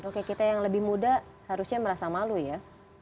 oke kita yang lebih muda harusnya merasa malu ya